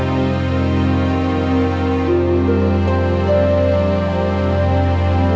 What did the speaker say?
are you ready pak